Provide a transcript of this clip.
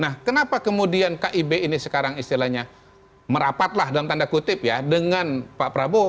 nah kenapa kemudian kib ini sekarang istilahnya merapatlah dalam tanda kutip ya dengan pak prabowo